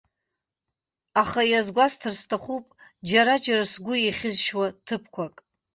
Аха иазгәасҭар сҭахуп џьара-џьара сгәы еихьызшьуа ҭыԥқәак.